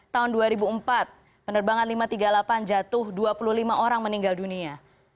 tahun dua ribu empat penerbangan lima ratus tiga puluh delapan jatuh dua puluh lima orang meninggal dunia